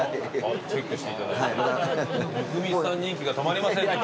温水さん人気が止まりませんね